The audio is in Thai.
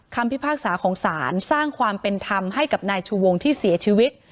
พิพากษาของศาลสร้างความเป็นธรรมให้กับนายชูวงที่เสียชีวิต